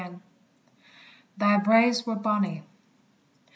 THY BRAES WERE BONNY.